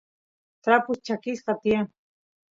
trapus chakisqa tiyan